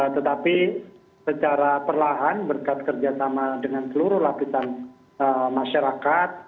tetapi secara perlahan berkat kerjasama dengan seluruh lapisan masyarakat